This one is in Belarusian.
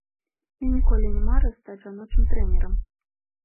Я ніколі не марыў стаць жаночым трэнерам.